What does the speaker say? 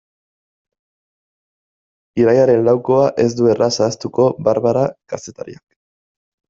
Irailaren laukoa ez du erraz ahaztuko Barbara kazetariak.